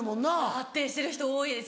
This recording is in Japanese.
発展してる人多いです